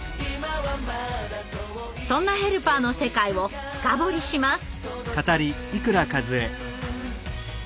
そんなヘルパーの世界を深掘りします。